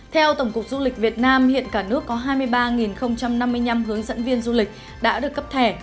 theo tổng cục du lịch việt nam hiện cả nước có hai mươi ba năm mươi năm hướng dẫn viên du lịch đã được cấp thẻ